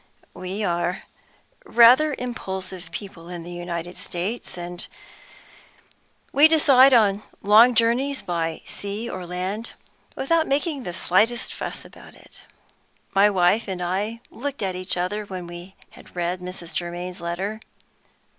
We are rather impulsive people in the United States, and we decide on long journeys by sea or land without making the slightest fuss about it. My wife and I looked at each other when we had read Mrs. Germaine's letter.